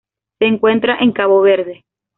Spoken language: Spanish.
Se encuentra en Cabo Verde.